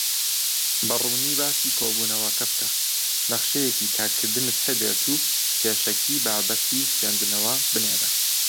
بەڕوونی باسی کۆبوونەوەکە بکە، نەخشەیەکی کارکردنت هەبێت، و پێشەکی بابەتی خویندنەوە بنێرە.